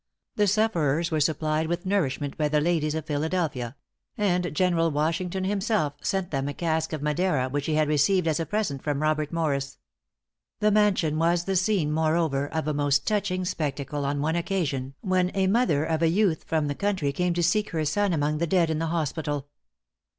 The sufferers were supplied with nourishment by the ladies of Philadelphia; and General Washington himself sent them a cask of Madeira, which he had received as a present from Robert Morris. The mansion was the scene, moreover, of a most touching spectacle, on one occasion, when the mother of a youth from the country came to seek her son among the dead in the hospital.